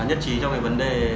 nhất trí trong cái vấn đề